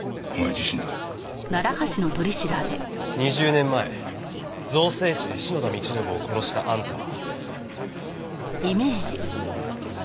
２０年前造成地で篠田道信を殺したあんたは。